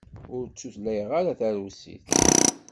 Ur tutlayeɣ ara tarusit.